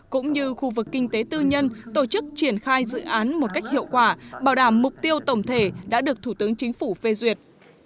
cũng như khu vực kinh tế tư nhân tổ chức triển khai dự án một cách hiệu quả bảo đảm mục tiêu tổng thể đã được thủ tướng chính phủ phê duyệt